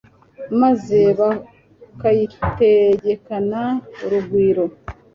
maze bukayitegekana urugwiro